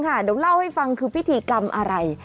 เดี๋ยวเล่าให้ฟังคือพิธีกรรมอะไร